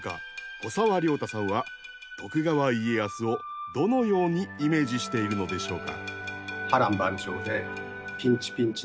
古沢良太さんは徳川家康をどのようにイメージしているのでしょうか？